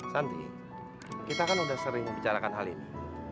santi kita kan udah sering bicarakan hal ini